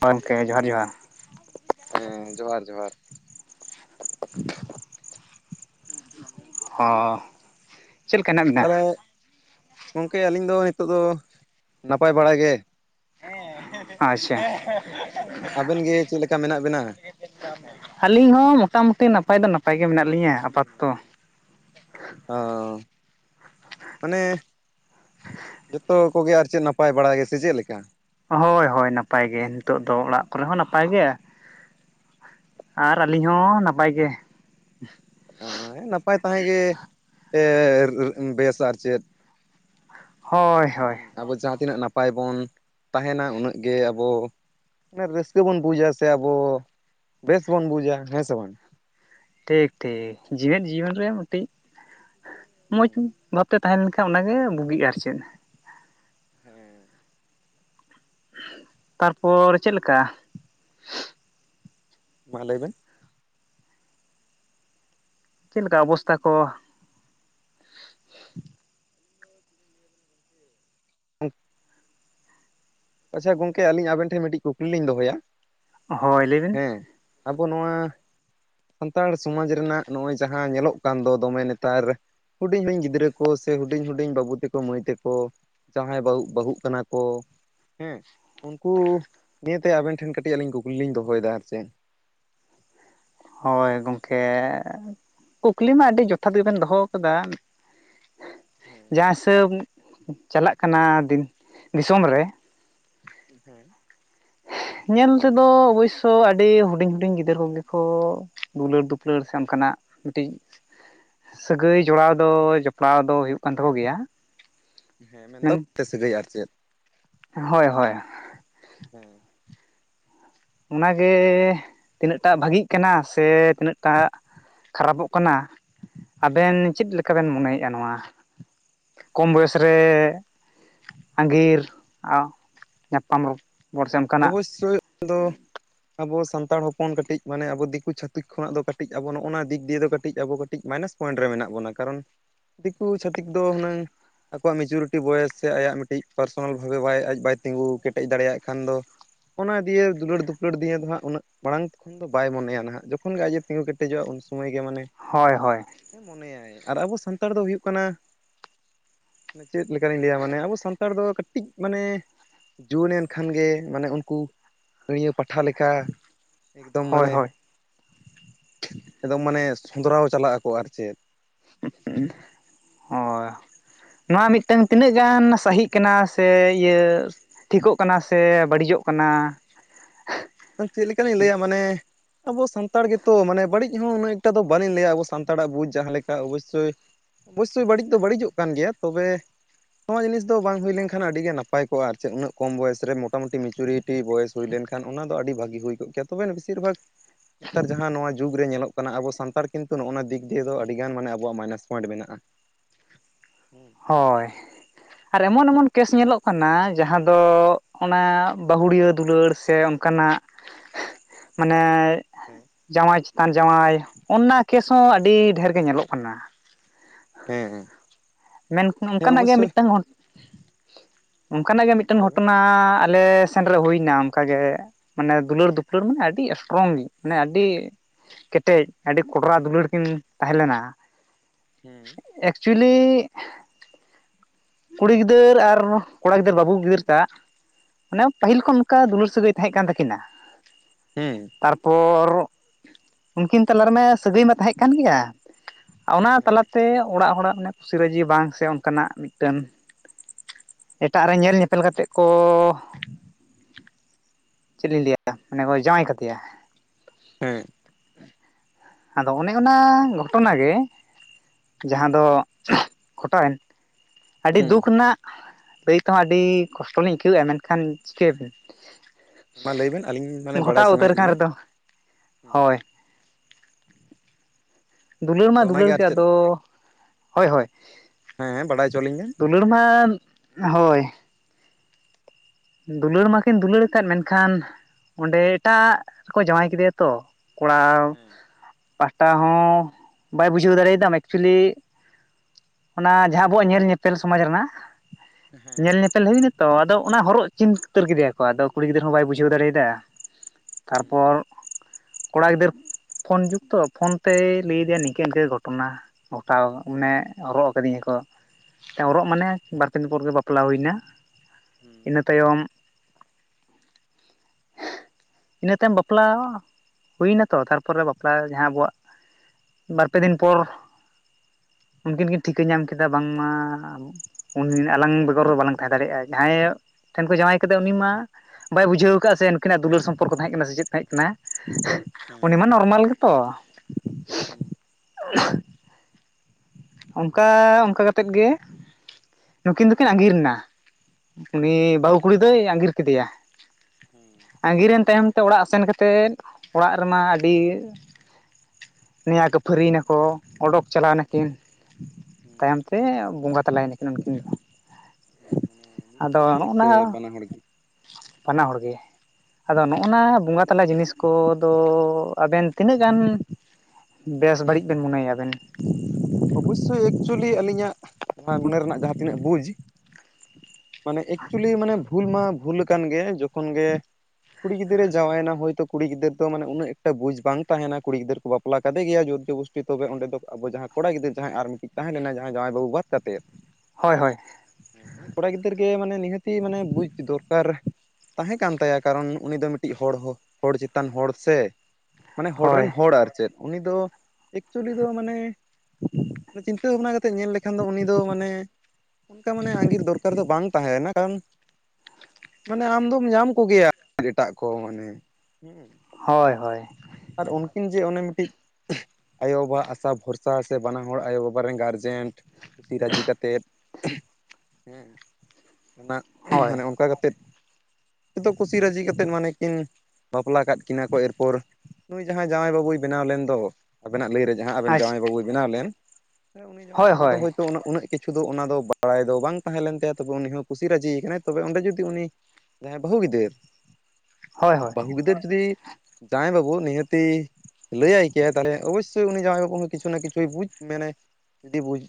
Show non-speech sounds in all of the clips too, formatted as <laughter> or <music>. ᱜᱚᱝᱠᱮ ᱡᱚᱦᱟᱨ, ᱡᱚᱦᱟᱨ, ᱦᱮᱸ, ᱡᱚᱦᱟᱨ, ᱡᱚᱦᱟᱨ, <inaudible> ᱦᱚᱸ, ᱪᱮᱫ ᱞᱮᱠᱟ ᱦᱮᱱᱟᱜ ᱵᱤᱱᱟ ᱛᱟᱦᱚᱞᱮ ᱜᱚᱝᱠᱮ ᱟᱹᱞᱤᱧ ᱫᱚ ᱱᱤᱛᱚᱜ ᱫᱚ ᱱᱟᱯᱟᱭ ᱵᱟᱲᱟ ᱜᱮ᱾ ᱦᱩᱸ᱾ ᱟᱪᱪᱷᱟ, ᱟᱵᱮᱱ ᱜᱮ ᱪᱮᱫ ᱞᱮᱠᱟ ᱢᱮᱱᱟᱜ ᱵᱮᱱᱟ? ᱟᱹᱞᱤᱧ ᱦᱚᱸ ᱢᱚᱴᱟᱢᱩᱴᱤ ᱱᱟᱯᱟᱭ ᱫᱚ ᱱᱟᱯᱟᱭ ᱜᱮ ᱢᱮᱱᱟᱜ ᱞᱤᱧᱟᱹ ᱟᱯᱟᱛᱚᱛᱚ, ᱚ, ᱢᱟᱱᱮ ᱡᱚᱛᱚ ᱠᱚᱜᱮ ᱟᱨ ᱪᱮᱫ ᱱᱟᱯᱟᱭ ᱵᱟᱲᱟᱭ ᱜᱮᱥᱮ ᱪᱮᱫ ᱞᱮᱠᱟ? ᱦᱳᱭ ᱦᱳᱭ ᱱᱟᱯᱟᱭ ᱜᱮ ᱱᱤᱛᱚᱜ ᱫᱚ ᱚᱲᱟᱜ ᱠᱚᱨᱮ ᱦᱚᱸ ᱱᱟᱯᱟᱭ ᱜᱮ, ᱟᱨ ᱟᱹᱞᱤᱧ ᱦᱚᱸ ᱱᱟᱯᱟᱭ ᱜᱮ᱾ ᱦᱳᱭ ᱱᱟᱯᱟᱭ ᱛᱟᱦᱮᱸ ᱜᱮ ᱮᱻ ᱵᱮᱥᱼᱟ᱾ ᱟᱨ ᱪᱮᱫ? ᱦᱳᱭ, ᱦᱳᱭ ᱟᱵᱚ ᱡᱟᱦᱟᱸ ᱛᱤᱱᱟᱹᱜ ᱱᱟᱯᱟᱭ ᱵᱚᱱ ᱛᱟᱦᱮᱱᱟ ᱩᱱᱟᱹᱜ ᱜᱮ ᱟᱵᱚ ᱚᱱᱮ ᱨᱟᱹᱥᱠᱟᱹ ᱵᱚᱱ ᱵᱩᱡᱟ ᱥᱮ ᱟᱵᱚ ᱵᱮᱥ ᱵᱚᱱ ᱵᱩᱡᱟ᱾ᱦᱮᱸ ᱥᱮ ᱵᱟᱝ? ᱴᱷᱤᱠ ᱴᱷᱤᱠ ᱡᱤᱣᱮᱫ ᱡᱤᱭᱚᱱ ᱨᱮ ᱢᱤᱫᱴᱤᱡ ᱢᱚᱸᱡᱽ ᱦᱩᱸ ᱵᱷᱟ ᱛᱮ ᱛᱟᱦᱮᱸ ᱞᱮᱱ ᱠᱷᱟᱱ ᱚᱱᱟᱜᱮ ᱵᱩᱜᱤ ᱟᱨ ᱪᱮᱫ᱾ ᱦᱮᱸ, ᱛᱟᱨᱯᱚᱨ ᱪᱮᱫᱞᱮᱠᱟ? ᱢᱟ ᱞᱟᱹᱭᱵᱮᱱ, ᱪᱮᱫ ᱞᱮᱠᱟ ᱚᱵᱚᱥᱛᱷᱟ ᱠᱚ? <inaudible> <unintelligible> ᱟᱪᱪᱷᱟ ᱜᱚᱝᱠᱮ ᱟᱹᱞᱤᱧ ᱟᱵᱮᱱ ᱴᱷᱮᱱ ᱢᱤᱫᱴᱤᱡ ᱠᱩᱠᱞᱤ ᱞᱤᱧ ᱫᱚᱦᱚᱭᱟ? ᱦᱳᱭ ᱞᱟᱹᱭ ᱵᱤᱱ ᱦᱮᱸ ᱟᱵᱚ ᱱᱚᱣᱟ ᱥᱟᱱᱛᱟᱲ ᱥᱚᱢᱟᱡᱽ ᱨᱮᱱᱟᱜ ᱱᱚᱜᱼᱚᱭ ᱡᱟᱦᱟᱸ ᱧᱮᱞᱚᱜ ᱠᱟᱱ ᱫᱚ ᱫᱚᱢᱮ ᱱᱮᱛᱟᱨ? ᱦᱩᱰᱤᱧ ᱦᱩᱰᱤᱧ ᱜᱤᱫᱽᱨᱟᱹ ᱠᱚ ᱥᱮ ᱦᱩᱰᱤᱧ ᱦᱩᱰᱤᱧ ᱵᱟᱹᱵᱩ ᱛᱟᱠᱚ ᱢᱟᱹᱭ ᱛᱮᱠᱚ, ᱡᱟᱦᱟᱸᱭ ᱵᱟᱦᱩ ᱵᱟᱹᱦᱩᱜ ᱠᱟᱱᱟ ᱠᱚ, ᱦᱮᱸ, ᱩᱱᱠᱩ ᱱᱤᱭᱟᱹᱛᱮ ᱟᱵᱮᱱ ᱴᱷᱮᱱ ᱠᱟᱹᱴᱤᱡ ᱟᱹᱞᱤᱧ ᱠᱩᱠᱞᱤ ᱞᱤᱧ ᱫᱚᱦᱚᱭᱮᱫᱟ ᱟᱨ ᱪᱮᱫ, ᱦᱳᱭ ᱜᱚᱝᱠᱮ ᱠᱩᱠᱞᱤ ᱢᱟ ᱟᱹᱰᱤ ᱡᱚᱛᱷᱟᱛ ᱜᱮᱵᱮᱱ ᱫᱚᱦᱚ ᱠᱟᱫᱟ, ᱦᱮᱸ ᱡᱟᱦᱟᱸ ᱦᱤᱥᱟᱹᱵ ᱪᱟᱞᱟᱜ ᱠᱟᱱᱟ ᱫᱤᱱ ᱫᱤᱥᱚᱢ ᱨᱮ, ᱦᱮᱸ, ᱧᱮᱞ ᱛᱮᱫᱚ ᱚᱵᱚᱥᱥᱚ ᱟᱹᱰᱤ ᱦᱩᱰᱤᱧ ᱦᱩᱰᱤᱧ ᱜᱤᱫᱟᱹᱨ ᱠᱚᱜᱮ ᱠᱚ ᱫᱩᱞᱟᱹᱲ ᱫᱩᱯᱞᱟᱹᱲ, ᱥᱮ ᱚᱱᱠᱟᱱᱟᱜ ᱢᱤᱫᱴᱤᱡ ᱥᱟᱹᱜᱟᱹᱭ ᱡᱚᱲᱟᱣ ᱫᱚ ᱡᱚᱯᱲᱟᱣ ᱫᱚ ᱦᱩᱭᱩᱜ ᱠᱟᱱ ᱛᱟᱠᱚ ᱜᱮᱭᱟ᱾ ᱦᱮᱸ, ᱢᱮᱱᱫᱚ ᱢᱮᱱ ᱥᱟᱹᱜᱟᱹᱭ ᱟᱨ ᱪᱮᱫ? ᱦᱳᱭ ᱦᱳᱭ ᱦᱮᱸ, ᱚᱱᱟᱜᱮ ᱛᱤᱱᱟᱹᱜᱴᱟ ᱵᱷᱟᱜᱤᱜ ᱠᱟᱱᱟ ᱥᱮ ᱛᱤᱱᱟᱹᱜᱴᱟᱜ ᱠᱷᱟᱨᱟᱯᱚᱜ ᱠᱟᱱᱟ, ᱟᱵᱮᱱ ᱪᱮᱫ ᱞᱮᱠᱟ ᱵᱮᱱ ᱢᱚᱱᱮᱭᱮᱫᱼᱟ ᱱᱚᱣᱟ? ᱠᱚᱢ ᱵᱚᱭᱮᱥ ᱨᱮ᱾ ᱟᱸᱜᱤᱨ ᱟ ᱧᱟᱯᱟᱢ ᱨᱚ ᱚᱵᱚᱥᱥᱳᱭ, ᱟᱫᱚ ᱟᱵᱚ ᱥᱟᱱᱛᱟᱲ ᱦᱚᱯᱚᱱ ᱠᱟᱹᱴᱤᱡ ᱢᱟᱱᱮ ᱟᱵᱚ ᱫᱤᱠᱩ ᱪᱷᱟᱹᱛᱤᱠ ᱠᱷᱚᱱᱟᱜ ᱫᱚ ᱠᱟᱹᱴᱤᱡ ᱟᱵᱚ ᱱᱚᱜᱼᱚᱱᱟ ᱫᱤᱠ ᱫᱤᱭᱮ ᱫᱚ ᱠᱟᱹᱴᱤᱡ ᱟᱵᱚ ᱠᱟᱹᱴᱤᱡ ᱢᱟᱭᱱᱟᱥ ᱯᱚᱭᱮᱱᱴ ᱨᱮ ᱢᱮᱱᱟᱜ ᱵᱚᱱᱟ, ᱠᱟᱨᱚᱱ ᱫᱤᱠᱩ ᱪᱷᱟᱹᱛᱤᱠ ᱫᱚ ᱦᱩᱱᱟᱹᱝ ᱟᱠᱚᱣᱟᱜ ᱢᱤᱪᱩᱨᱤᱴᱤ ᱵᱚᱭᱮᱥ ᱥᱮ ᱟᱭᱟᱜ ᱢᱤᱫᱴᱤᱡ ᱯᱟᱨᱥᱚᱱᱟᱞ ᱵᱷᱟᱵᱮ ᱵᱟᱭ ᱟᱡ ᱵᱟᱭ ᱛᱤᱸᱜᱩ ᱠᱮᱴᱮᱡ ᱫᱟᱲᱮᱭᱟᱜ ᱠᱷᱟᱱ ᱫᱚ ᱚᱱᱟ ᱫᱤᱭᱮ ᱫᱩᱞᱟᱹᱲ ᱫᱩᱯᱩᱞᱟᱹᱲ ᱫᱤᱭᱮ ᱫᱚ ᱦᱟᱸᱜ ᱩᱱᱟᱹᱜ ᱢᱟᱲᱟᱝ ᱩᱱ ᱫᱚ ᱵᱟᱭ ᱢᱚᱱᱮᱭᱟ ᱱᱟᱦᱟᱜ ᱡᱚᱠᱷᱚᱱ ᱜᱮ ᱟᱡᱮ ᱛᱤᱸᱜ ᱠᱮᱴᱮᱡᱚᱜ, ᱩᱱ ᱥᱚᱢᱚᱭ ᱜᱮ ᱢᱟᱱᱮ᱾ ᱦᱳᱭ, ᱦᱳᱭ, ᱦᱮᱸ ᱢᱚᱱᱮᱭᱟᱭ, ᱟᱨ ᱟᱵᱚ ᱥᱟᱱᱛᱟᱲ ᱫᱚ ᱦᱩᱭᱩᱜ ᱠᱟᱱᱟ ᱪᱮᱫ ᱞᱮᱠᱟᱤᱧ ᱞᱟᱹᱭᱟ ᱢᱟᱱᱮ ᱟᱵᱚ ᱥᱟᱱᱛᱟᱲ ᱫᱚ ᱠᱟᱹᱴᱤᱡ ᱢᱟᱱᱮ ᱡᱩᱣᱟᱹᱱ ᱮᱱ ᱠᱷᱟᱱ ᱜᱮ ᱢᱟᱱᱮ ᱩᱱᱠᱩ ᱟᱹᱲᱭᱟᱹ ᱯᱟᱴᱷᱟ ᱞᱮᱠᱟ, ᱮᱠᱫᱚᱢ ᱦᱳᱭ ᱢᱟᱱᱮ ᱦᱳᱭ ᱮᱠᱫᱚᱢ ᱢᱟᱱᱮ ᱥᱚᱸᱫᱽᱨᱟᱣ ᱪᱟᱞᱟᱜ ᱟᱠᱚ᱾ ᱟᱨ ᱪᱮᱫ? ᱦᱳᱭ, ᱱᱚᱣᱟ ᱢᱤᱫᱴᱟᱝ ᱛᱤᱱᱟᱹᱜ ᱜᱟᱱ ᱥᱟᱹᱦᱤ ᱠᱟᱱᱟ ᱥᱮ ᱤᱭᱟᱹ, ᱴᱷᱤᱠᱚᱜ ᱠᱟᱱᱟ ᱥᱮ ᱵᱟᱹᱲᱤᱡᱚᱜ ᱠᱟᱱᱟ? ᱪᱮᱫ ᱞᱮᱠᱟᱞᱤᱧ ᱞᱟᱹᱭᱟ ᱢᱟᱱᱮ, ᱟᱵᱚ ᱥᱟᱱᱛᱟᱲ ᱜᱮᱛᱚ ᱢᱟᱱᱮ ᱵᱟᱹᱲᱤᱡ ᱦᱚᱸ ᱩᱱᱟᱹᱜ ᱮᱠᱴᱟ ᱫᱚ ᱵᱟᱹᱞᱤᱧ ᱞᱟᱹᱭᱟ, ᱟᱵᱚ ᱥᱟᱱᱛᱟᱲᱟᱜ ᱵᱩᱡᱽ ᱡᱟᱦᱟᱸᱞ ᱞᱮᱠᱟ ᱚᱵᱚᱥᱳᱭ ᱚᱵᱚᱥᱥᱳᱭ ᱵᱟᱹᱲᱤᱡ ᱫᱚ ᱵᱟᱹᱲᱤᱡᱚᱜ ᱠᱟᱱ ᱜᱮᱭᱟ, ᱛᱚᱵᱮ ᱱᱚᱣᱟ ᱡᱤᱱᱤᱥ ᱫᱚ ᱵᱟᱝ ᱦᱩᱭ ᱞᱮᱱᱠᱷᱟᱱ ᱟᱹᱰᱤ ᱜᱮ ᱱᱟᱯᱟᱭ ᱠᱚᱜᱼᱟ ᱟᱨ ᱪᱮᱫ ᱩᱱᱟᱹᱜ ᱠᱚᱢ ᱵᱚᱭᱮᱥ ᱨᱮ, ᱢ ᱳᱚᱴᱟᱢᱩᱴᱤ ᱢᱮᱪᱩᱨᱤᱴᱤ ᱵᱚᱭᱮᱥ ᱦᱩᱭ ᱞᱮᱱᱠᱷᱟᱱ ᱚᱱᱟ ᱫᱚ ᱟᱹᱰᱤ ᱵᱷᱟᱹᱜᱤ ᱦᱩᱭ ᱠᱚᱜ ᱠᱮᱭᱟ, ᱛᱚᱵᱮ ᱵᱮᱥᱤᱨ ᱵᱷᱟᱜᱽ ᱱᱮᱛᱟᱨ ᱡᱟᱦᱟᱸ ᱱᱚᱣᱟ ᱡᱩᱜᱽ ᱨᱮ ᱧᱮᱞᱚᱜ ᱠᱟᱱᱟ, ᱠᱟᱱᱟ ᱟᱵᱚ ᱥᱟᱱᱛᱟᱲ ᱠᱤᱱᱛᱩ ᱱᱚᱜᱼᱟ ᱫᱤᱠ ᱫᱤᱭ ᱫᱚ ᱟᱹᱰᱤ ᱜᱟᱱ ᱢᱟᱱᱮ ᱟᱵᱚᱣᱟᱜ ᱢᱟᱭᱱᱟᱥ ᱯᱚᱭᱮᱱᱴ ᱢᱮᱱᱟᱜᱼᱟ᱾ ᱦᱮᱸ ᱦᱳᱭ, ᱟᱨ ᱮᱢᱚᱱ ᱮᱢᱚᱱ ᱠᱮᱥ ᱧᱮᱞᱚᱜ ᱠᱟᱱᱟ ᱡᱟᱦᱟᱸ ᱫᱚ ᱚᱱᱟ ᱵᱟᱹᱦᱩᱲᱤᱭᱟᱹ ᱫᱩᱞᱟᱹᱲ᱾ ᱥᱮ ᱠᱟᱱᱟ, ᱢᱟᱱᱮ ᱦᱮᱸ, ᱡᱟᱶᱟᱭ ᱪᱮᱛᱟᱱ ᱡᱟᱶᱟᱭ, ᱚᱱᱟ ᱠᱮᱥ ᱦᱚᱸ ᱟᱹᱰᱤ ᱰᱷᱮᱨ ᱜᱮ ᱧᱮᱞᱚᱜ ᱠᱟᱱᱟ᱾ ᱦᱮᱸ, ᱦᱮᱸ, ᱢᱮᱱᱠᱷᱟᱱ ᱚᱱᱠᱟᱱᱟᱜ ᱜᱮ ᱚᱵᱚᱥᱥᱳᱭ ᱢᱤᱫᱴᱟᱝ ᱚᱱᱠᱟᱱᱟᱜ ᱜᱮ ᱢᱤᱫᱴᱮᱱ ᱞᱟᱹᱭ ᱵᱮᱱ ᱜᱷᱚᱴᱚᱱᱟ ᱟᱞᱮ ᱥᱮᱱ ᱨᱮ ᱦᱩᱭᱱᱟ ᱚᱱᱠᱟᱜᱮ ᱢᱟᱱᱮ ᱫᱩᱞᱟᱹᱲᱼᱫᱩᱯᱩᱞᱟᱹᱲ ᱢᱟᱱᱮ ᱟᱹᱰᱤ ᱥᱴᱨᱚᱝ ᱜᱮ ᱢᱟᱱᱮ ᱟᱹᱰᱤ ᱠᱮᱴᱮᱡ ᱟᱹᱰᱤ ᱠᱚᱰᱨᱟ ᱫᱩᱞᱟᱹᱲ ᱠᱤᱱ ᱛᱟᱦᱮᱸ ᱞᱮᱱᱟ᱾ ᱦᱩᱸ ᱮᱠᱪᱩᱭᱮᱞᱤ, ᱠᱩᱲᱤ ᱜᱤᱫᱟᱹᱨ ᱟᱨ ᱠᱚᱲᱟ ᱜᱤᱫᱟᱹᱨ ᱵᱟᱹᱵᱩ ᱜᱤᱫᱟᱹᱨ ᱴᱟᱜ ᱢᱟᱱᱮ ᱯᱟᱹᱦᱤᱞ ᱠᱷᱚᱱ ᱚᱱᱠᱟ ᱫᱩᱞᱟᱹᱲ ᱥᱟᱹᱜᱟᱹᱭ ᱛᱟᱦᱮᱸ ᱠᱟᱱ ᱛᱟᱹᱠᱤᱱᱟ᱾ ᱦᱩᱸ ᱛᱟᱨᱯᱚᱨ ᱩᱱᱠᱤᱱ ᱛᱟᱞᱟ ᱨᱮ ᱢᱟᱭᱟ ᱥᱟᱹᱜᱟᱹᱭ ᱢᱟ ᱛᱟᱦᱮᱸ ᱠᱟᱱ ᱜᱮᱭᱟ, ᱚᱱᱟ ᱦᱮᱸ ᱛᱟᱞᱟᱛᱮ ᱚᱲᱟᱜ ᱦᱚᱲᱟᱜ ᱚᱱᱮ ᱠᱩᱥᱤ ᱨᱟᱹᱡᱤ ᱵᱟᱝ ᱥᱮ ᱚᱱᱠᱟᱱᱟᱜ ᱢᱤᱫ ᱴᱟᱹᱱ ᱮᱴᱟᱜ ᱨᱮ ᱧᱮᱞ ᱧᱮᱯᱮᱞ ᱠᱟᱛᱮᱫ ᱠᱚ ᱪᱮᱫ ᱞᱤᱧ ᱞᱟᱹᱭᱟ ᱢᱟᱱᱮ ᱠᱚ ᱡᱟᱶᱟᱭ ᱠᱟᱫᱮᱭᱟ᱾ ᱦᱮᱸ, ᱟᱫᱚ ᱚᱱᱮ ᱚᱱᱟ ᱜᱷᱚᱴᱚᱱᱟ ᱜᱮ ᱦᱮᱸ ᱡᱟᱦᱟᱸ ᱫᱚ ᱜᱷᱚᱴᱟᱣᱮᱱ ᱟᱹᱰᱤ ᱫᱩᱠ ᱦᱮᱸ ᱨᱮᱱᱟᱜ ᱞᱟᱹᱭ ᱛᱮᱦᱚᱸ ᱟᱹᱰᱤ ᱠᱚᱥᱴᱚ ᱞᱤᱧ ᱟᱹᱭᱠᱟᱹᱣᱮᱫ-ᱟ᱾ ᱢᱮᱱᱠᱷᱟᱱ ᱪᱤᱠᱟᱹᱭ ᱟᱹᱵᱤᱱ ᱢᱟ ᱞᱟᱹᱭ ᱵᱮᱱ ᱟᱹᱞᱤᱧ ᱢᱟᱱᱮ ᱵᱟᱲᱟᱭ ᱜᱷᱚᱴᱟᱣ ᱩᱛᱟᱹᱨ ᱥᱟᱱᱟᱭᱮᱫ ᱠᱟᱱ ᱞᱤᱧᱟᱹ ᱨᱮᱫᱚ᱾ ᱦᱮᱸ ᱦᱳᱭ, ᱫᱩᱞᱟᱹᱲ ᱢᱟ ᱟᱫᱚ ᱫᱩᱞᱟᱹᱲ ᱚᱱᱟᱜᱮ ᱟᱨ ᱜᱮ ᱪᱮᱫ ᱟᱫᱚ, ᱦᱳᱭ, ᱦᱳᱭ, ᱦᱮᱸ ᱵᱟᱰᱟᱭ ᱦᱚᱪᱚᱞᱤᱧ ᱢᱮ, ᱫᱩᱞᱟᱹᱲ ᱢᱟ, ᱦᱳᱭ, ᱫᱩᱞᱟᱹᱲ ᱢᱟᱠᱤᱱ ᱫᱩᱞᱟᱹᱲ ᱟᱠᱟᱫ, ᱢᱮᱱᱠᱷᱟᱱ? ᱚᱸᱰᱮ ᱮᱴᱟᱜ ᱨᱮᱠᱚ ᱡᱟᱶᱟᱭ ᱠᱮᱫᱮᱭᱟ ᱛᱚ᱾ ᱠᱚᱲᱟ ᱦᱮᱸ ᱯᱟᱦᱴᱟ ᱦᱚᱸ ᱵᱟᱭ ᱵᱩᱡᱷᱟᱹᱣ ᱫᱟᱲᱮᱭᱟᱫᱟᱢ, ᱮᱠᱪᱩᱭᱮᱞᱤ, ᱚᱱᱟ ᱡᱟᱦᱟᱸ ᱟᱵᱚᱣᱟᱜ ᱧᱮᱞ ᱧᱮᱯᱮᱞ ᱥᱚᱢᱟᱡᱽ ᱨᱮᱱᱟᱜ, ᱦᱮᱸ ᱧᱮᱞ ᱧᱮᱯᱮᱞ ᱦᱩᱭᱱᱟ ᱛᱚ ᱟᱫᱚ ᱚᱱᱟ ᱦᱚᱨᱚᱜ ᱪᱤᱱ ᱩᱛᱟᱹᱨ ᱠᱮᱫᱮᱭᱟᱠᱚ ᱟᱫᱚ ᱠᱩᱲᱤ ᱜᱤᱫᱽᱨᱟᱹ ᱦᱚᱸ ᱵᱟᱭ ᱵᱩᱡᱷᱟᱹᱣ ᱫᱟᱲᱮᱭᱟᱫᱟ᱾ ᱦᱮᱸ ᱛᱟᱨᱯᱚᱨ ᱠᱚᱲᱟ ᱜᱤᱫᱟᱹᱨ ᱯᱷᱳᱱ ᱡᱩᱜᱽ ᱛᱚ, ᱯᱷᱳᱱ ᱛᱮᱭ ᱞᱟᱹᱭ ᱟᱫᱮᱭᱟ ᱱᱤᱝᱠᱟᱹ ᱤᱱᱠᱟᱹ ᱜᱷᱚᱴ ᱴᱚᱱᱟ ᱜᱷᱚᱴᱟᱣ, ᱢᱟᱱᱮ ᱦᱮᱸ ᱦᱚᱨᱚᱜ ᱠᱟᱹᱫᱤᱧᱟᱠᱚ ᱛᱚ ᱦᱚᱨᱚᱜ ᱦᱮᱸ ᱢᱟᱱᱮ ᱵᱟᱨᱼᱯᱮ ᱫᱤᱱ ᱯᱚᱨᱜᱮ ᱵᱟᱯᱞᱟ ᱦᱩᱭᱱᱟ᱾ ᱦᱮᱸ ᱤᱱᱟᱹ ᱛᱟᱭᱚᱢ ᱤᱱᱟᱹ ᱛᱟᱭᱚᱢ ᱵᱟᱯᱞᱟ ᱦᱩᱭᱱᱟ ᱛᱚ, ᱛᱟᱨᱯᱚᱨᱮ ᱵᱟᱯᱞᱟ ᱡᱟᱦᱟᱸ ᱟᱵᱚᱣᱟᱜ ᱵᱟᱨ ᱯᱮ ᱫᱤᱱ ᱯᱚᱨ ᱩᱱᱠᱤᱱ ᱠᱤᱱ ᱴᱷᱤᱠᱟᱹ ᱧᱟᱢ ᱠᱮᱫᱟ, ᱵᱟᱝ ᱢᱟ ᱩᱱ ᱟᱞᱟᱝ ᱵᱮᱜᱚᱨ ᱦᱚᱸ ᱵᱟᱞᱟᱝ ᱛᱟᱦᱮᱸ ᱫᱟᱲᱮᱭᱟᱜ-ᱟ᱾ ᱡᱟᱦᱟᱸᱭ ᱴᱷᱮᱱ ᱠᱚ ᱡᱟᱶᱟᱭ ᱠᱟᱫᱮ ᱩᱱᱤ ᱢᱟ ᱵᱟᱭ ᱵᱩᱡᱷᱟᱹᱣ ᱟᱠᱟᱜ-ᱟ ᱥᱮ ᱱᱩᱠᱤᱱᱟᱜ ᱫᱩᱞᱟᱹᱲ ᱥᱚᱢᱯᱚᱨᱠᱚ ᱛᱟᱦᱮᱸ ᱠᱟᱱᱟ ᱥᱮ ᱪᱮᱫ ᱛᱟᱦᱮᱸ ᱠᱟᱱᱟ᱾ ᱩᱱᱤ ᱢᱟ ᱱᱚᱨᱢᱟᱞ ᱜᱮᱛᱚ᱾ ᱦᱩᱸ, <inaudible> ᱚᱱᱠᱟ ᱚᱱᱠᱟ ᱠᱟᱛᱮᱫ ᱜᱮ ᱱᱩᱠᱤᱱ ᱫᱚᱠᱤᱱ ᱟᱸᱜᱤᱨ ᱱᱟ᱾ ᱦᱮᱸ ᱩᱱᱤ ᱵᱟᱹᱦᱩ ᱠᱩᱲᱤ ᱫᱚᱭ ᱟᱸᱜᱤᱨ ᱠᱮᱫᱮᱭᱟ ᱦᱮᱸ ᱟᱸᱜᱤᱨᱮᱱ ᱛᱟᱭᱚᱢ ᱛᱮ ᱚᱲᱟᱜ ᱥᱮᱱ ᱠᱟᱛᱮᱫ ᱚᱲᱟᱜ ᱨᱮᱢᱟ ᱟᱹᱰᱤ ᱱᱮᱭᱟ ᱠᱟᱹᱯᱷᱟᱹᱨᱤ ᱱᱟᱠᱚ ᱚᱰᱳᱠ ᱪᱟᱞᱟᱣ ᱱᱟᱹᱠᱤᱱ, ᱦᱮᱸ ᱛᱟᱭᱚᱢ ᱛᱮ ᱵᱚᱸᱜᱟ ᱛᱟᱞᱟᱭ ᱱᱟᱠᱤᱱ ᱩᱱᱠᱤᱱ ᱫᱚ᱾ ᱚᱸ ᱢᱟᱱᱮ ᱢᱤᱫ ᱟᱫᱚ ᱦᱚᱲ ᱜᱮ, ᱱᱚᱜᱼᱚ ᱥᱮ ᱱᱟ ᱵᱟᱱᱟ ᱦᱚᱲ ᱜᱮ? ᱵᱟᱱᱟ ᱦᱚᱲ ᱜᱮ᱾ ᱟᱫᱚ ᱱᱚ-ᱚ ᱱᱟ ᱵᱚᱸᱜᱟ ᱛᱟᱞᱟ ᱡᱤᱱᱤᱥ ᱠᱚ ᱫᱚ ᱟᱵᱮᱱ ᱛᱤᱱᱟᱹᱜ ᱜᱟᱱ ᱵᱮᱥ ᱵᱟᱹᱲᱤᱡ ᱵᱮᱱ ᱢᱚᱱᱮᱭᱟ ᱟᱵᱮᱱ? ᱚᱵᱚᱥᱥᱳᱭ, ᱮᱠᱪᱩᱭᱮᱞᱤ ᱟᱹᱞᱤᱧᱟᱜ ᱱᱚᱣᱟ ᱜᱩᱱᱟᱹ ᱨᱮᱱᱟᱜ ᱡᱟᱦᱟᱸ ᱛᱤᱱᱟᱹᱜ ᱵᱩᱡᱽ <inaudible> ᱢᱟᱱᱮ ᱮᱠᱪᱩᱭᱮᱞᱤ ᱢᱟᱱᱮ ᱵᱷᱩᱞ ᱢᱟ ᱵᱷᱩᱞ ᱟᱠᱟᱱ ᱜᱮ, ᱡᱚᱠᱷᱚᱱ ᱜᱮ ᱠᱩᱲᱤ ᱜᱤᱫᱽᱨᱟᱹ ᱡᱟᱶᱟᱭ ᱱᱟ ᱦᱚᱭᱛᱳ ᱠᱩᱲᱤ ᱜᱤᱫᱟᱹᱨ ᱫᱚ ᱢᱟᱱᱮ ᱩᱱᱟᱹᱜ ᱮᱠᱴᱟ ᱵᱩᱡᱽ ᱵᱟᱝ ᱛᱟᱦᱮᱱᱟ, ᱠᱩᱲᱤ ᱜᱤᱫᱟᱹᱨ ᱠᱚ ᱵᱟᱯᱞᱟ ᱠᱟᱫᱮ ᱜᱮᱭᱟ ᱡᱳᱨ ᱡᱳᱵᱚᱥᱛᱤ ᱛᱚᱵᱮ ᱚᱸᱰᱮ ᱫᱚ ᱟᱵᱚ ᱡᱟᱦᱟᱸᱭ ᱠᱚᱲᱟ ᱜᱤᱫᱟᱹᱨ ᱡᱟᱦᱟᱸᱭ ᱟᱨ ᱢᱤᱫᱴᱤᱡ ᱛᱟᱦᱮᱸ ᱞᱮᱱᱟ, ᱡᱟᱦᱟᱸᱭ ᱡᱟᱶᱟᱭ ᱵᱟᱦᱩ ᱵᱟᱫ ᱠᱟᱛᱮᱫ᱾ ᱦᱳᱭ, ᱦᱳᱭ, ᱩᱱᱤ ᱠᱚᱲᱟ ᱜᱤᱫᱟᱹᱨ ᱜᱮ ᱢᱟᱱᱮ ᱱᱤᱦᱟᱹᱛᱤ ᱢᱟᱱᱮ ᱵᱩᱡ ᱫᱚᱨᱠᱟᱨ ᱛᱟᱦᱮᱸ ᱠᱟᱱ ᱛᱟᱭᱟ᱾ ᱠᱟᱨᱚᱱ ᱩᱱᱤ ᱫᱚ ᱢᱤᱫᱴᱤᱡ ᱦᱚᱲᱦᱚ ᱦᱚᱲ ᱪᱮᱛᱟᱱ ᱦᱚᱲ ᱥᱮ᱾ ᱢᱟᱱᱮ ᱦᱚᱲ ᱦᱳᱭ ᱨᱮᱱ ᱦᱚᱲ ᱟᱨ ᱪᱮᱫ ᱩᱱᱤ ᱫᱚ᱾ ᱮᱠᱪᱩᱭᱮᱞᱤ ᱫᱚ ᱢᱟᱱᱮ ᱪᱤᱱᱛᱟᱹ ᱵᱷᱟᱵᱽᱱᱟ ᱠᱟᱛᱮᱫ ᱧᱮᱞ ᱞᱮᱠᱷᱟᱱ ᱫᱚ ᱩᱱᱤ ᱫᱚ ᱢᱟᱱᱮ ᱚᱱᱠᱟ ᱢᱟᱱᱮ ᱟᱸᱜᱤᱨ ᱫᱚᱨᱠᱟᱨ ᱫᱚ ᱵᱟᱝ ᱛᱟᱦᱮᱸᱮᱱᱟ, ᱠᱟᱨᱚᱱ ᱢᱟᱱᱮ ᱟᱢ ᱫᱚᱢ ᱧᱟᱢ ᱠᱚᱜᱮᱭᱟ ᱮᱴᱟᱜ ᱠᱚ ᱢᱟᱱᱮ ᱦᱮᱸ᱾ ᱦᱚᱭ, ᱦᱚᱭ, ᱟᱨ ᱩᱱᱠᱤᱱ ᱡᱮ ᱚᱱᱮ ᱢᱤᱫᱴᱤᱡ ᱟᱭᱳᱼᱵᱟᱵᱟᱣᱟᱜ ᱟᱥᱟ ᱵᱷᱚᱨᱥᱟ ᱥᱮ ᱵᱟᱱᱟ ᱦᱚᱲ ᱟᱭᱳᱼᱵᱟᱵᱟ ᱨᱮᱱ ᱜᱟᱨᱡᱮᱱ ᱠᱩᱥᱤ ᱨᱟᱹᱡᱤ ᱠᱟᱛᱮᱫ, ᱦᱮᱸ, ᱚᱱᱟ ᱦᱳᱭ ᱢᱟᱱᱮ ᱚᱱᱠᱟ ᱠᱟᱛᱮᱫ ᱱᱤᱛᱚ ᱠᱩᱥᱤ ᱨᱟᱹᱡᱤ ᱠᱟᱛᱮᱫ ᱢᱟᱱᱮ ᱠᱤᱱ ᱵᱟᱯᱞᱟ ᱠᱟᱫ ᱠᱤᱱᱟᱹ ᱠᱚ, ᱮᱨᱯᱚᱨ ᱱᱩᱭ ᱡᱟᱦᱟᱸᱭ ᱡᱟᱶᱟᱭ ᱵᱟᱹᱵᱩᱭ ᱵᱮᱱᱟᱣ ᱞᱮᱱᱫᱚ, ᱟᱵᱮᱱᱟᱜ ᱞᱟᱹᱭ ᱨᱮ ᱡᱟᱦᱟᱸ ᱟᱵᱮᱱ ᱟᱪᱪᱷᱟ ᱡᱟᱶᱟᱭ ᱵᱟᱹᱵᱩᱭ ᱵᱮᱱᱟᱣ ᱞᱮᱱ, ᱩᱱᱤ ᱡᱟᱢᱟᱭ ᱦᱳᱭ ᱵᱟ. ᱵᱩ ᱫᱚ ᱦᱳᱭ ᱦᱳ ᱛᱚ ᱚᱱᱟ ᱩᱱᱟᱹᱜ ᱩᱱᱟᱹᱜ ᱠᱤᱪᱷᱩ ᱫᱚ ᱚᱱᱟ ᱫᱚ ᱵᱟᱲᱟᱭ ᱫᱚ ᱵᱟᱝ ᱛᱟᱦᱮᱸ ᱞᱮᱱ ᱛᱟᱭᱟ᱾ ᱛᱚᱵᱮ ᱩᱱᱤ ᱦᱚᱸ ᱠᱩᱥᱤ ᱨᱟᱹᱡᱤᱭᱮ ᱠᱟᱱᱟᱭ, ᱛᱚᱵᱮ ᱚᱸᱰᱮ ᱡᱩᱫᱤ ᱩᱱᱤ ᱡᱟᱦᱟᱸ ᱵᱟᱹᱦᱩ ᱜᱤᱫᱟᱽᱹᱨ, ᱦᱳᱭ ᱦᱳᱭ ᱵᱟᱹᱦᱩ ᱜᱤᱫᱟᱹᱨ ᱡᱩᱫᱤ ᱡᱟᱶᱟᱭ ᱵᱟᱹᱵᱩ ᱱᱤᱦᱟᱹᱛᱤ ᱞᱟᱹᱭᱟᱭ ᱠᱮᱟᱭ ᱛᱟᱦᱚᱞᱮ ᱚᱵᱚᱥᱚᱭ ᱩᱱᱤ ᱡᱟᱶᱟᱭ ᱵᱟᱹᱵᱩ ᱠᱤᱪᱷᱩ ᱠᱤᱪᱷᱩᱭ ᱵᱩᱡ᱾ ᱢᱟᱱᱮ ᱡᱩᱫᱤ ᱵᱩᱡ,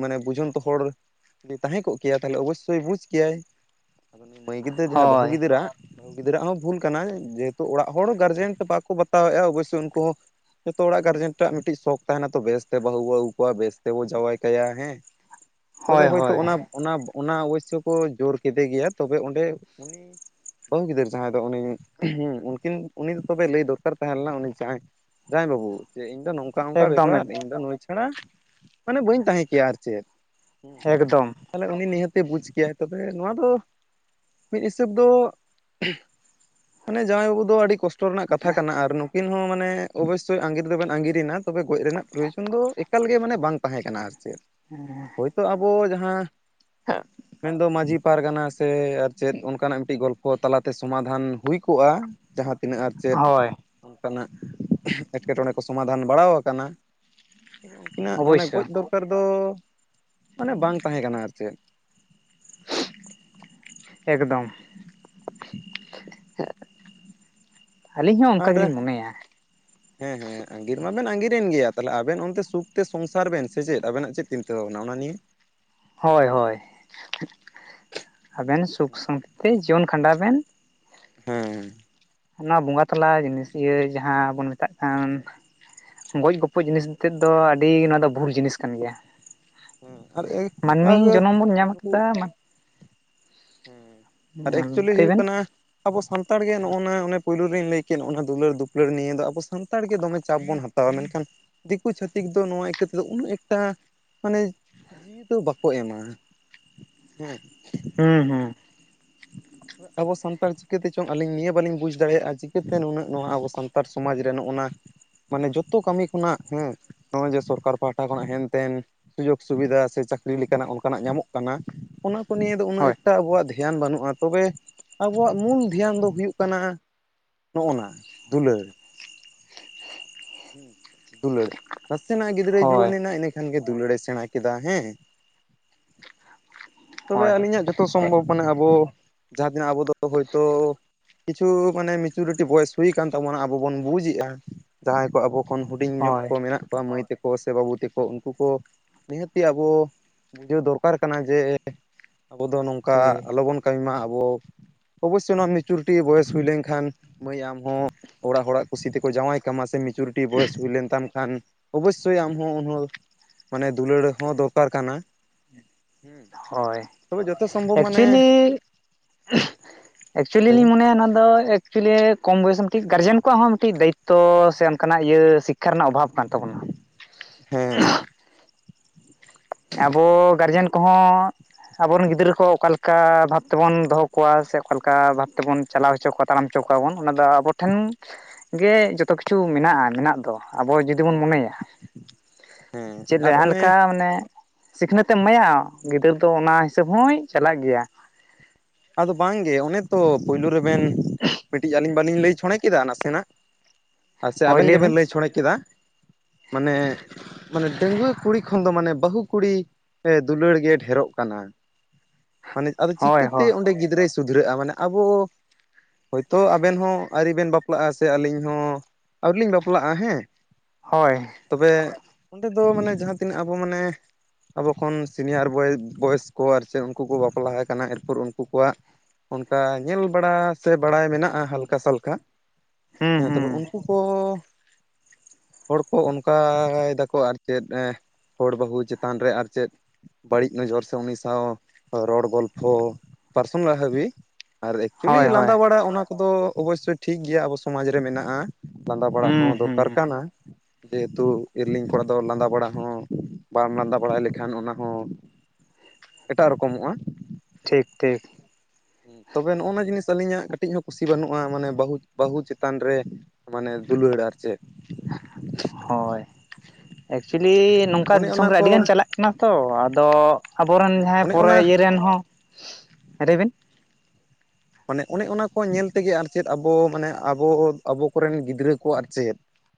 ᱢᱟᱱᱮ ᱵᱩᱡᱷᱩᱱ ᱛᱚ ᱦᱚᱲ, ᱡᱩᱫᱤ ᱛᱟᱦᱮᱸ ᱠᱚᱜ ᱠᱮᱭᱟ ᱛᱟᱦᱚᱞᱮ ᱚᱵᱚᱥᱚᱭ ᱵᱩᱡ ᱠᱮᱭᱟᱭ, ᱟᱫᱚ ᱱᱩᱭ ᱢᱟᱹᱭ ᱜᱤᱫᱟᱽᱹᱨᱟᱹ ᱡᱟᱦᱟᱸᱭ ᱵᱟᱹᱦᱩ ᱦᱳᱭ ᱜᱤᱫᱽᱨᱟᱜ ᱵᱟᱹᱦᱩ ᱜᱤᱫᱽᱟᱹᱨᱟᱜ ᱦᱚᱸ ᱵᱷᱩᱞ ᱠᱟᱱᱟ᱾ ᱡᱮᱦᱮᱛᱩ ᱚᱲᱟᱜ ᱦᱚᱲ ᱜᱟᱨᱡᱮᱱ ᱛᱮ ᱵᱟᱠᱚ ᱵᱟᱛᱟᱣᱮᱫᱼᱟ ᱚᱵᱚᱥᱚᱭ ᱩᱱᱠᱩ ᱦᱚᱸ ᱡᱚᱛᱚ ᱚᱲᱟᱜ ᱜᱟᱨᱡᱮᱱ ᱴᱟᱜ ᱢᱤᱫᱴᱤᱡ ᱥᱚᱠ ᱛᱟᱦᱮᱱᱟ ᱛᱚ ᱵᱮᱥᱛᱮ ᱵᱟᱹᱦᱩ ᱵᱚ ᱟᱹᱜᱩ ᱠᱚᱣᱟ ᱵᱮᱥ ᱛᱮᱵᱚ ᱡᱟᱸᱣᱟᱭ ᱠᱟᱭᱟ ᱦᱮᱸ᱾ <inaudible> ᱛᱚᱵᱮ ᱦᱚᱭᱛᱚ ᱦᱳᱭ ᱚᱱᱟ ᱚᱱᱟ ᱚᱵᱚᱥᱚᱭ ᱠᱚ ᱡᱨ ᱠᱮᱫᱮ ᱜᱮᱭᱟ, ᱛᱚᱵᱮ ᱚᱸᱰᱮ ᱩᱱᱤ ᱵᱟᱹᱦᱩ ᱜᱤᱫᱟᱽᱹᱨ ᱡᱟᱦᱟᱸᱭ ᱫᱚ ᱩᱱᱤ ᱦᱩ ᱩᱱᱠᱤᱱ ᱩᱱᱤ ᱫᱚ ᱛᱚᱵᱮ ᱞᱟᱹᱭ ᱫᱚᱨ ᱫᱚᱨᱠᱟᱨᱟ ᱛᱟᱦᱮᱸ ᱞᱮᱱᱟ ᱩᱱᱤ ᱡᱟᱦᱟᱸᱭ ᱡᱟᱶᱟᱭ ᱵᱟᱹᱵᱩ᱾ ᱡᱮ ᱤᱧ ᱫᱚ ᱱᱚᱝᱠᱟ ᱝᱠᱟ ᱮᱠᱫᱚᱢ ᱵᱮᱯᱟᱨ ᱤᱧ ᱫᱚ ᱱᱩᱭ ᱪᱷᱟᱲᱟ ᱢᱟᱱᱮ ᱵᱟᱹᱧ ᱛᱟᱦᱮᱸ ᱠᱮᱭᱟ ᱟᱨ ᱪᱮᱫ᱾ ᱮᱠᱫᱚᱢ ᱛᱟᱦᱚᱞᱮ ᱩᱱᱤ ᱱᱤᱦᱟᱹᱛᱮ ᱩᱱᱤ ᱵᱩᱡᱽ ᱠᱮᱭᱟ᱾ ᱛᱚᱵᱮ ᱱᱚᱣᱟ ᱫᱚ ᱢᱤᱫ ᱦᱤᱥᱟᱹᱵ ᱫᱚ ᱢᱟᱱᱮ ᱡᱟᱶᱟᱭ ᱵᱟᱹᱵᱩ ᱫᱚ ᱟᱹᱰᱤ ᱠᱚᱥᱴᱚ ᱨᱮᱱᱟᱜ ᱠᱟᱛᱷᱟ ᱠᱟᱱᱟ᱾ ᱟᱨ ᱱᱩᱠᱤᱱ ᱦᱚᱸ ᱢᱟᱱᱮ ᱚᱵᱚᱥᱚᱭ ᱟᱸᱜᱤᱨ ᱫᱚ ᱵᱮᱱ ᱟᱸᱜᱤᱨᱱᱟ ᱛᱚᱵᱮ ᱜᱚᱡ ᱨᱮᱱᱟᱜ ᱯᱨᱚᱭᱚᱡᱚᱱ ᱫᱚ ᱮ ᱮᱠᱟᱞ ᱜᱮ ᱢᱟᱱᱮ ᱵᱟᱝ ᱛᱟᱦᱮᱸ ᱠᱟᱱᱟ ᱟᱨ ᱪᱮᱫ, ᱦᱮᱸ, ᱱᱤᱛᱚᱜ ᱟᱵᱚ ᱡᱟᱦᱟᱸ ᱢᱮᱱᱫᱚ ᱢᱟᱺᱡᱷᱤ ᱯᱟᱨᱜᱟᱱᱟ ᱥᱮ ᱟᱨ ᱪᱮᱫ ᱚᱱᱠᱟᱱᱟᱜ ᱢᱤᱫᱴᱤᱡ ᱜᱚᱞ ᱯᱚ ᱛᱟᱞᱟᱛᱮ ᱥᱚᱢᱟᱫᱷᱟᱱ ᱦᱩᱭ ᱠᱚᱜᱼᱟ᱾ ᱡᱟᱦᱟᱸ ᱛᱤᱱᱟᱹᱜ ᱟᱨ ᱪᱮᱫ? ᱦᱳᱭ ᱚᱱᱠᱟᱱᱟᱜ. ᱮᱸᱴᱠᱮᱴᱚᱬᱮ ᱠᱚ ᱥᱚᱢᱟᱫᱷᱟᱱ ᱵᱟᱲᱟᱟᱣ ᱟᱠᱟᱱᱟ᱾ ᱩᱱᱠᱤᱱᱟᱜᱹ ᱢᱟᱱᱮ ᱜᱚᱡ ᱚᱵᱚᱥᱥᱳᱭ ᱫᱚᱨᱠᱟᱨ ᱫᱚ ᱢᱟᱱᱮ ᱵᱟᱝ ᱛᱟᱦᱮᱸ ᱠᱟᱱᱟ ᱟᱨ ᱪᱮᱫ᱾ ᱮᱜᱫᱚᱢ, ᱟᱹᱞᱤᱧ ᱦᱚᱸ ᱚᱱᱠᱟ ᱟᱨ ᱜᱮᱞᱤᱧ ᱢᱚᱱᱮᱭᱟ᱾ ᱦᱮᱸ ᱦᱮᱸ ᱟᱸᱜᱤᱨ ᱢᱟᱵᱮᱱ ᱟᱜᱤᱨᱮᱱ ᱜᱮᱭᱟ ᱛᱟᱦᱚᱞᱮ ᱟᱵᱮᱱ ᱚᱱᱛᱮ ᱥᱩᱠᱛᱮ ᱥᱚᱝᱥᱟᱨ ᱵᱮᱱ᱾ ᱥᱮ ᱪᱮᱫ ᱟᱵᱮᱱᱟᱜ ᱪᱮᱫ ᱪᱤᱱᱛᱟᱹ ᱵᱷᱟᱵᱱᱟ ᱚᱱᱟ ᱱᱤᱭᱮ, ᱦᱚᱭ, ᱦᱚᱭ, ᱟᱹᱵᱮᱱ ᱥᱩᱠ ᱥᱟ. ᱱᱛᱤ ᱛᱮ ᱡᱤᱭᱚᱱ ᱠᱷᱟᱸᱰᱟᱣ ᱵᱮᱱ, ᱦᱩᱸ, ᱚᱣᱟ ᱵᱚᱸᱜᱟ ᱛᱟᱞᱟ ᱡᱤᱱᱤᱥ ᱤᱭᱟᱹ ᱡᱟᱦᱟᱸ ᱵᱚᱱ ᱢᱮᱛᱟᱜ ᱠᱟᱱ, ᱜᱚᱡ ᱜᱚᱯᱚᱡ ᱡᱤᱱᱤᱥᱛᱮᱫ ᱫᱚ ᱟᱹᱰᱤ ᱱᱚᱣᱟ ᱫᱚ ᱵᱷᱩᱞ ᱡᱤᱱᱤᱥ ᱠᱟᱱ ᱜᱮᱭᱟ᱾ ᱦᱮᱸ ᱢᱟᱹᱱᱢᱤ ᱟᱨ ᱡᱚᱱᱚᱢ ᱵᱚᱱ ᱧᱟᱢ ᱱᱩᱠᱩ ᱠᱟᱫᱟ ᱦᱮᱸ ᱟᱨ ᱮᱠᱪᱩᱭᱮᱞᱤ ᱞᱟᱹᱭ ᱦᱩᱭᱩᱜ ᱵᱮᱱ ᱠᱟᱱᱟ ᱟᱵᱚ ᱥᱟᱱᱛᱟᱲ ᱜᱮ ᱱᱚᱜᱼᱚ ᱱᱟ ᱚᱱᱟ ᱯᱳᱭᱞᱳ ᱨᱤᱧ ᱞᱟᱹᱭ ᱠᱮᱫ ᱱᱚᱜᱚᱼᱱᱟ ᱫᱩᱞᱟᱹᱲ ᱫᱩᱯᱟᱹᱲ ᱱᱤᱭᱟᱹ ᱫᱚ ᱟᱵᱚ ᱥᱟᱱᱛᱟᱲ ᱜᱮ ᱫᱚᱢᱮ ᱪᱟᱯ ᱵᱚᱱ ᱦᱟᱛ ᱛᱟᱣᱟ᱾ ᱢᱮᱱᱠᱷᱟᱱ ᱫᱤᱠᱩ ᱪᱷᱟᱹᱛᱤᱠ ᱫᱚ ᱱᱚᱣᱟ ᱤᱠᱟᱹ ᱛᱮᱫᱚ ᱩᱱᱟᱹᱜ ᱮᱠᱴᱟ ᱢᱟᱱᱮ ᱡᱤᱣᱤ ᱫᱚ ᱵᱟᱠᱚ ᱮᱢᱟ᱾ ᱦᱮᱸ, ᱦᱩᱸ, ᱦᱩᱸ, ᱟᱵᱚ ᱥᱟᱱᱛᱟᱲ ᱪᱤᱠᱟᱹᱛᱮ ᱪᱚᱝ ᱟᱹᱞᱤᱧ ᱱᱤᱭᱟᱹ ᱵᱟᱹᱞᱤᱧ ᱵᱩᱡᱽ ᱫᱟᱲᱮᱭᱟᱜᱼᱟ ᱪᱤᱠᱟᱹᱛᱮ ᱱᱩᱱᱟᱹᱜ ᱱᱚᱣᱟ ᱟᱵᱚ ᱥᱟᱱᱛᱟᱲ ᱥᱚᱢᱟᱡᱽ ᱨᱮ ᱱᱚᱜᱼᱚ ᱱᱟ ᱢᱟᱱᱮ ᱡᱚᱛᱚ ᱠᱟᱹᱢᱤ ᱠᱷᱚᱱᱟᱜ ᱦᱮᱸ ᱱᱚᱜᱼᱚᱭ ᱡᱮ ᱥᱚᱨᱠᱟᱨ ᱯᱟᱦᱴᱟ ᱠᱷᱚᱱᱟᱜ ᱦᱮᱱᱛᱮᱱ ᱥᱩᱡᱚᱜᱽ ᱥᱩᱵᱤᱫᱷᱟ ᱥᱮ ᱪᱟᱹᱠᱨᱤ ᱞᱮᱠᱟᱱᱟᱜ ᱚᱱᱠᱟᱱᱟᱜ ᱧᱟᱢᱚᱜ ᱠᱟᱱᱟ᱾ ᱚᱱᱟ ᱠᱚ ᱱᱤᱭᱣ ᱫᱚ ᱩᱱᱟᱹ ᱦᱳᱭ ᱮᱠᱴᱟ ᱟᱵᱣᱟᱜ ᱫᱷᱭᱟᱱ ᱵᱟᱹᱱᱩᱜ- ᱟ᱾ ᱛᱚᱵᱮ ᱟᱵᱚᱣᱟᱜ ᱢᱩᱞ ᱫᱷᱮᱭᱟᱱ ᱫᱚ ᱦᱩᱭᱩᱜ ᱠᱟᱱᱟ ᱱᱚᱜᱼᱱᱟ ᱫᱩᱞᱟᱹᱲ᱾ ᱫᱩᱞᱟᱹᱲ, ᱱᱟᱥᱮᱱᱟᱜ ᱜᱤᱫᱽᱨᱟᱹᱭ ᱦᱳᱭ ᱡᱩᱣᱟᱹᱱ ᱮᱱᱟ ᱤᱱᱟᱹ ᱠᱷᱟᱱ ᱜᱮ ᱫᱩᱞᱟᱹᱲᱮ ᱥᱮᱸᱬᱟ ᱠᱮᱫᱟ᱾ ᱦᱮᱸ, ᱛᱚᱵᱮ ᱦᱳᱭ ᱦᱳᱭ ᱟᱹᱞᱤᱧᱟᱜ ᱡᱚᱛᱚ ᱮ ᱥᱚᱢᱵᱷᱚᱵᱽ ᱢᱟᱱᱮ ᱟᱵᱚ ᱡᱟᱦᱟ ᱛᱤᱱᱟᱹᱜ ᱟᱵᱚ ᱫᱚ ᱦᱚᱳᱭᱛᱳ ᱠᱤᱪᱷᱩ ᱢᱟᱱᱮ ᱢᱤᱪᱩᱨᱤᱴᱤ ᱵᱚᱭᱚᱥ ᱦᱩᱭ ᱠᱟᱱ ᱛᱟᱵᱚᱱᱟ ᱟᱵᱚ ᱵᱚᱱ ᱵᱩᱡ ᱮᱜᱼᱟ ᱡᱟᱸᱦᱟᱭ ᱠᱚ ᱟᱵᱚ ᱠᱷᱚᱱ ᱦᱩᱰᱤᱧ ᱧᱚᱜ ᱦᱳᱭ ᱠᱚ ᱢᱮᱱᱟᱜ ᱠᱚᱣᱟ ᱢᱟᱹᱭ ᱛᱟ ᱠᱚ ᱥᱮ ᱵᱟᱹᱵᱩ ᱛᱮᱠᱚ ᱩᱱᱠᱩ ᱠᱚ ᱱᱤᱦᱟᱹᱛᱤ ᱟᱵᱚ ᱵᱩᱡᱷᱟᱹᱣ ᱫᱚᱨᱠᱟᱨ ᱠᱟᱱᱟ ᱡᱮ ᱟᱵᱚ ᱫᱚ ᱱᱚᱝᱠᱟ ᱴᱷᱤᱠ ᱟᱞᱚᱵᱚᱱ ᱠᱟᱹᱢᱤ ᱢᱟ ᱟᱵᱚ ᱚᱵᱳᱥᱥᱚ ᱱᱚᱣᱟ ᱢᱤᱪᱩᱨᱤᱴᱤ ᱵᱚᱭᱮᱥ ᱦᱩᱭ ᱞᱮᱱᱠᱷᱟᱱ ᱢᱟᱹᱭ ᱟᱢᱦᱚᱸ ᱚᱲᱟᱜ ᱦᱚᱲᱟᱜ ᱠᱩᱥᱤ ᱛᱮᱠᱚ ᱡᱟᱶᱟᱭ ᱠᱟᱢᱟ ᱥᱮ ᱢᱮᱤᱪᱩᱨᱤᱴᱤ ᱵᱚᱭᱮᱥ ᱦᱩᱭ ᱞᱮᱱ ᱛᱟᱢ ᱠᱷᱟᱱ ᱚᱵᱳᱥᱥᱳᱭ ᱟᱢᱦᱚᱸ ᱩᱱᱦᱚᱸ ᱢᱟᱱᱮ ᱫᱩᱞᱟᱹᱲ ᱦᱚᱸ ᱫᱚᱨᱠᱟᱨ ᱠᱟᱱᱟ, ᱦᱩᱸ᱾ ᱦᱳᱭ᱾ ᱮᱠᱪᱩᱭᱮᱞᱤ, ᱮᱠᱪᱩᱭᱮᱞᱤ ᱞᱟᱹᱭ ᱢᱮ ᱞᱤᱧ ᱢᱚᱱᱮᱭᱟ ᱱᱚᱣᱟ ᱫᱚ <inaudible> ᱮᱠᱪᱩᱭᱮᱞᱤ ᱠᱚᱢ ᱵᱚᱭᱮᱥ <unintelligible> ᱜᱟᱨᱡᱮᱱ ᱠᱚᱣᱟᱜ ᱦᱚᱸ ᱢᱤᱫᱴᱤᱡ ᱫᱟᱭᱤᱛᱛᱚ ᱥᱮ ᱚᱱᱠᱟᱱᱟᱜ ᱤᱭᱟᱹ ᱥᱤᱠᱠᱷᱟ ᱨᱮᱱᱟᱜ ᱚᱵᱷᱟᱵ ᱠᱟᱱ ᱛᱟᱵᱚᱱᱟ᱾ ᱦᱮᱸ᱾ ᱟᱵᱚ ᱜᱟᱨᱡᱮᱱ ᱠᱚᱦᱚᱸ ᱟᱵᱚᱨᱮᱱ ᱜᱤᱫᱽᱨᱟᱹ ᱠᱚ ᱚᱠᱟ ᱞᱮᱠᱟ ᱵᱷᱟᱵ ᱛᱮᱵᱚᱱ ᱫᱚᱦᱚ ᱠᱚᱣᱟ ᱥᱮ ᱚᱠᱟᱞᱮᱠᱟ ᱵᱷᱟᱵ ᱛᱮᱵᱚᱱ ᱪᱟᱞᱟᱣ ᱦᱚᱪᱚ ᱠᱚᱣᱟ ᱛᱟᱲᱟᱢ ᱦᱚᱪᱚ ᱠᱚᱣᱟ ᱵᱚᱱ ᱚᱱᱟ ᱫᱚ ᱟᱵᱚ ᱴᱷᱮᱱ ᱜᱮ ᱡᱚᱛᱚ ᱠᱤᱪᱷᱩ ᱢᱮᱱᱟᱜᱼᱟ ᱢᱮᱱᱟᱜ ᱫᱚ᱾ ᱟᱵᱚ ᱡᱩᱫᱤ ᱵᱚᱱ ᱢᱚᱱᱮᱭᱟ, ᱦᱮᱸ ᱪᱮᱫ ᱟᱨ ᱡᱟᱸᱦᱟ ᱚᱱᱮ ᱞᱮᱠᱟ ᱢᱟᱱᱮ ᱥᱤᱠᱷᱱᱟᱹᱛ ᱮᱢ ᱮᱢᱟᱭᱟ ᱜᱤᱫᱟᱹᱨ ᱫᱚ ᱚᱱᱟ ᱦᱤᱥᱟᱹᱵᱽ ᱦᱚᱸᱭ ᱪᱟᱞᱟᱜ ᱜᱮᱭᱟ᱾ ᱟᱫᱚ ᱵᱟᱝᱜᱮ ᱚᱱᱮ ᱛᱚ ᱯᱩᱭᱞᱩ ᱨᱮᱵᱮᱱ ᱠᱟᱹᱴᱤᱡ ᱟᱞᱤᱧ ᱵᱟᱞᱤᱧ ᱞᱟᱹᱭ ᱪᱷᱚᱸᱲᱮ ᱠᱮᱫᱟ ᱱᱟᱥᱮᱱᱟᱜ? ᱟᱨ ᱥᱮ ᱦᱳᱭ ᱟᱵᱮᱱ ᱵᱤᱱ ᱜᱮᱵᱮᱱ ᱞᱟᱹᱭ ᱪᱷᱚᱸᱲᱮ ᱠᱮᱫᱟ ᱢᱟᱱᱮ ᱢᱟᱱᱮ ᱰᱟᱹᱝᱜᱩᱣᱟᱹ ᱠᱩᱲᱤ ᱠᱷᱚᱱ ᱫᱚ ᱢᱟᱱᱮ ᱵᱟᱹᱦᱩ ᱠᱩᱲᱤ ᱮᱸ ᱫᱩᱞᱟᱹᱲ ᱜᱮ ᱰᱷᱮᱨᱚᱜ ᱠᱟᱱᱟ᱾ ᱢᱟᱱᱮ ᱟᱫᱚ ᱦᱳᱭ ᱪᱤᱠᱟᱹᱛᱮ ᱦᱳᱭ ᱚᱸᱰᱮ ᱜᱤᱫᱽᱨᱟᱹᱭ ᱥᱩᱫᱷᱨᱟᱹᱜᱼᱟ ᱢᱟᱱᱮ ᱟᱵᱚ ᱦᱳᱭᱛᱳ ᱟᱵᱮᱱ ᱦᱚᱸ ᱟᱹᱣᱨᱤ ᱵᱮᱱ ᱵᱟᱯᱞᱟᱜᱼᱟ ᱥᱮ ᱟᱹᱞᱤᱧ ᱦᱚᱸ ᱟᱹᱣᱨᱤᱞᱤᱧ ᱵᱟᱯᱞᱟᱜᱼᱟ ᱦᱮᱸ, ᱦᱳᱭ᱾ ᱛᱚᱵᱮ ᱚᱸᱰᱮ ᱫᱚ ᱢᱟᱱᱮ ᱡᱟᱸᱦᱟ ᱛᱤᱱᱟᱹᱜ ᱟᱵᱚ ᱢᱟᱱᱮ ᱟᱵᱚ ᱠᱷᱚᱱ ᱥᱤᱱᱤᱭᱟᱨ ᱵᱚᱭᱮ ᱵᱟᱭᱮᱥ ᱠᱚ ᱟᱨ ᱪᱮᱜ ᱩᱱᱠᱩ ᱠᱚ ᱵᱟᱯᱞᱟ ᱦᱟᱠᱟᱱᱟ ᱮᱨᱯᱚᱨ ᱩᱱ ᱠᱩ ᱠᱚᱣᱟᱜ ᱚᱱᱠᱟ ᱧᱮᱞ ᱵᱟᱲᱟ ᱥᱮ ᱵᱟᱲᱟᱭ ᱢᱮᱱᱟᱜᱼᱟ ᱦᱟᱞᱠᱟ ᱥᱟᱞᱠᱟ, ᱦᱩᱸ ᱦᱮᱸ ᱛᱚᱵᱮ ᱦᱩᱸ ᱩᱱᱠᱩ ᱠᱚ ᱦᱚᱲ ᱠᱚ ᱚᱱᱠᱟᱭ ᱫᱟᱠᱚ ᱟᱨ ᱪᱮᱫ, ᱦᱚᱲ ᱵᱟᱹᱦᱩ ᱪᱮᱛᱟᱱ ᱨᱮ ᱟᱨ ᱪᱮᱫ, ᱵᱟᱹᱲᱤᱡ ᱱᱚᱡᱚᱨ ᱥᱮ ᱩᱱᱤ ᱥᱟᱶ ᱨᱚᱲ ᱜᱚᱞᱯᱷᱚ ᱯᱟᱨᱥᱳᱱᱟᱞ ᱦᱟᱹᱵᱤᱡ, ᱟᱨ ᱦᱳᱭ ᱮᱠᱪᱩᱭᱮᱞᱤ ᱦᱳᱭ ᱞᱟᱸᱫᱟ ᱵᱟᱲᱟᱜ ᱚᱱᱟ ᱠᱚᱫᱚ ᱚᱵᱚᱥᱥᱳᱭ ᱴᱷᱤᱠ ᱜᱮᱭᱟ ᱟᱵᱚ ᱥᱚᱢᱟᱡᱽ ᱨᱮ ᱢᱮᱱᱟᱜᱼᱟ, ᱞᱟᱸᱫᱟ ᱵᱟᱲᱟ ᱦᱩᱸ ᱦᱚᱸ ᱫᱚᱨᱠᱟᱨ ᱦᱩᱸ ᱠᱟᱱᱟ᱾ ᱡᱮᱦᱮᱛᱩ ᱤᱨᱤᱞᱤᱧ ᱠᱚᱲᱟ ᱫᱚ ᱞᱟᱸᱫᱟ ᱵᱟᱲᱟ ᱦᱚᱸ ᱵᱟᱢ ᱞᱟᱸᱫᱟ ᱵᱟᱲᱟᱭ ᱞᱮᱠᱷᱟᱱ ᱚᱱᱟ ᱦᱚᱸ ᱮᱴᱟᱜ ᱨᱚᱠᱚᱢᱚᱜᱼᱟ᱾ ᱴᱷᱤᱠ ᱴᱷᱤᱠ᱾ ᱛᱚᱵᱮ ᱱᱚᱜᱼᱱᱟ ᱡᱤᱱᱤᱥ ᱟᱹᱞᱤᱧᱟᱜ ᱠᱟᱹᱴᱤᱡ ᱦᱚᱸ ᱠᱩᱥᱤ ᱵᱟᱹᱱᱩᱜᱼᱟ ᱢᱟᱱᱮ ᱵᱟᱹᱦᱩ ᱵᱟᱹᱦᱩ ᱪᱮᱛᱟᱱ ᱨᱮ ᱢᱟᱱᱮ ᱫᱩᱞᱟᱹᱲ ᱟᱨ ᱪᱮᱫ᱾ ᱦᱳᱭ᱾ ᱮᱠᱪᱩᱭᱮᱞᱤ ᱢᱟᱱᱮ ᱱᱚᱝᱠᱟ ᱚᱱᱮ ᱫᱤᱥᱚᱢ ᱚᱱᱟ ᱨᱮ ᱠᱚ ᱟᱹᱰᱤ ᱜᱟᱱ ᱪᱟᱞᱟᱜ ᱠᱟᱱᱟ ᱛᱚ ᱟᱫᱚ ᱟᱵᱚᱨᱮᱱ ᱢᱟᱱᱮ ᱡᱟᱸᱦᱟᱭ ᱚᱱᱮ ᱯᱚᱨᱮ ᱚᱱᱟ ᱤᱭᱟᱹ ᱨᱮᱱ ᱦᱚᱸ ᱨᱟᱹᱭ ᱵᱤᱱ᱾ ᱢᱟᱱᱮ ᱚᱱᱮ ᱚᱱᱟ ᱠᱚ ᱧᱮᱞ ᱛᱮᱜᱮ ᱟᱨ ᱪᱮᱫ ᱟᱵᱚ ᱢᱟᱱᱮ ᱟᱵᱚ ᱟᱵᱚ ᱠᱚᱨᱮᱱ ᱜᱤᱫᱽᱨᱟᱹ ᱠᱚ ᱟᱨ ᱪᱮᱫ,